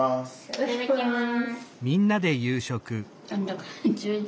いただきます。